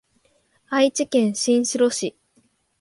愛知県新城市